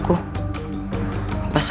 apa salahnya sedikit membanggakan diri